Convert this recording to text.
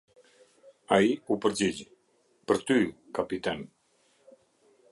Ai u përgjigj: "Për ty, kapiten".